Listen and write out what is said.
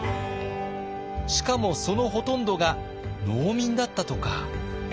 しかもそのほとんどが農民だったとか。